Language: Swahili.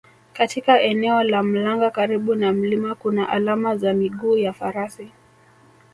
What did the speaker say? Katika eneo la Mlanga karibu na mlima kuna alama za miguu ya Farasi